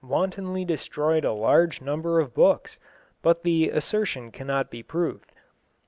wantonly destroyed a large number of books, but the assertion cannot be proved.